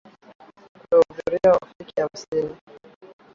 Wanaohudhuria hawafiki hamsini.